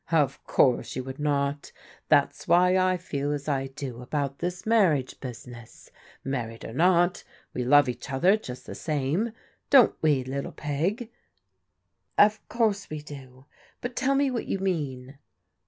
" Of course you would not. That's why I feel as I do about this marriage business. Married or not, we love each other just the same, don't we, little Peg?" " Of course we do, but tell me what you mean."